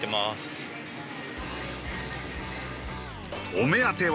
お目当ては